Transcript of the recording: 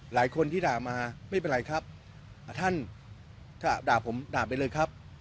หลายคนที่ด่ามาไม่เป็นไรครับท่านด่าผมด่าไปเลยครับ